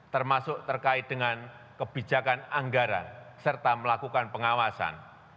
termasuk terkait dengan kebijakan anggaran serta melakukan pengawasan